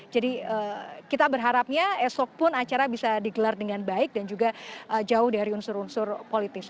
jadi kita berharapnya esok pun acara bisa digelar dengan baik dan juga jauh dari unsur unsur politis